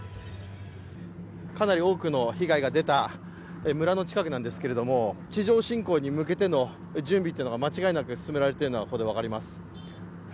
かなり多くの被害が出た村の近くなんですけれども地上侵攻に向けての準備というのが間違いなく進められているのが分かります。